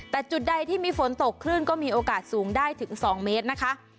แต่จุดใดที่มีฝนตกคลื่นก็มีโอกาสสูงได้ถึง๒เมตรนะคะ